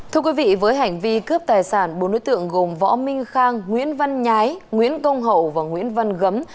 thưa quý vị với hành vi cướp tài sản bốn đối tượng gồm võ minh khang nguyễn văn nhái nguyễn công hậu và nguyễn văn gấm